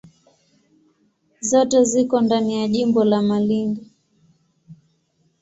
Zote ziko ndani ya jimbo la Malindi.